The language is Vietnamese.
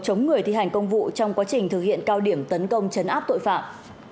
chống người thi hành công vụ trong quá trình thực hiện cao điểm tấn công chấn áp tội phạm